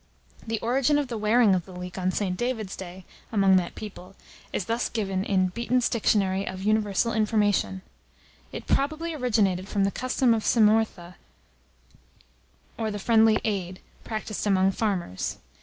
The origin of the wearing of the leek on St. David's day, among that people, is thus given in "BEETON'S DICTIONARY of UNIVERSAL INFORMATION:" "It probably originated from the custom of Cymhortha, or the friendly aid, practised among farmers.